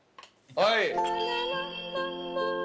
はい。